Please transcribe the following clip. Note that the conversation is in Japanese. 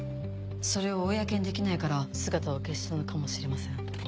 それを公にできないから姿を消したのかもしれません。